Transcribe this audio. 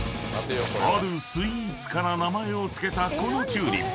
［あるスイーツから名前を付けたこのチューリップ］